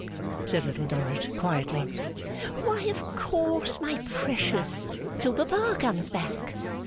said Little Dorrit, quietly. 'Why, of course, my precious, till papa comes back!